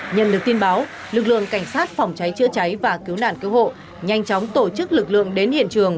nhận được tin báo lực lượng cảnh sát phòng cháy chữa cháy và cứu nạn cứu hộ nhanh chóng tổ chức lực lượng đến hiện trường